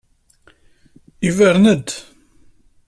Yebren-d.